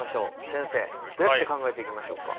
先生どうやって考えていきましょうか？